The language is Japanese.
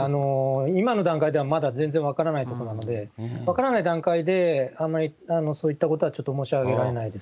今の段階では、まだ全然分からないところなので、分からない段階で、あんまりそういったことは申し上げられないです。